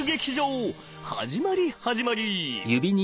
始まり始まり。